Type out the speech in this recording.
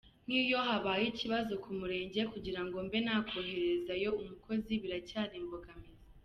Nk’iyo habaye ikibazo ku murenge kugira ngo mbe nakoherezayo umukozi, biracyari imbogamizi.